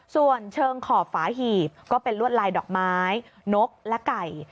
ส่วนเชิงขอบฝาหีบก็เป็นลวดลายดอกไม้นกและไก่